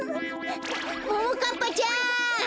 ももかっぱちゃん！